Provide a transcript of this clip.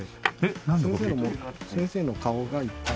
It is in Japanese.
先生の顔がいっぱい。